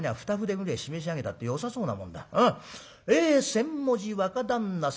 『先文字若旦那様